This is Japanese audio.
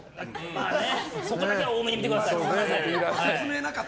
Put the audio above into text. まあね、そこだけは大目に見てください。